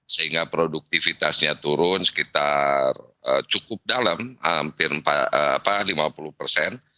sehingga produktivitasnya turun sekitar cukup dalam hampir lima puluh persen